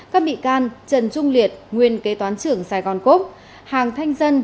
các bị can trần trung liệt nguyên kế toán trưởng sài gòn cốc hàng thanh dân